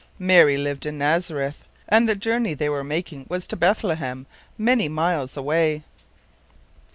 Mary lived in Nazareth, and the journey they were making was to Bethlehem, many miles away.